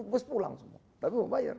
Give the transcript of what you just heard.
gus pulang semua tapi mau bayar